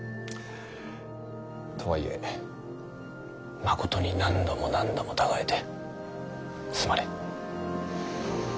とはいえまことに何度も何度も違えてすまねぇ。